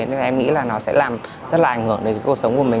nên em nghĩ là nó sẽ làm rất là ảnh hưởng đến cuộc sống của mình